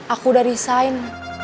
aku udah resign